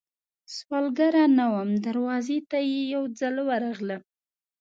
سوالګره نه وم، دروازې ته یې یوځل ورغلم